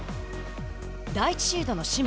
第１シードの清水。